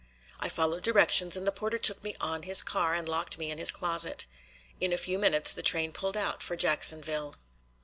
I followed directions, and the porter took me on his car and locked me in his closet. In a few minutes the train pulled out for Jacksonville.